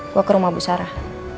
gue ke rumah bu sarah